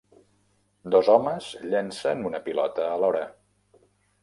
Dos homes llencen una pilota alhora